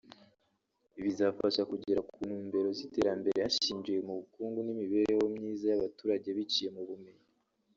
bizafasha kugera ku ntumbero z’iterambere hashingiwe mu bukungu n’imibereho myiza y’abaturage biciye mu bumenyi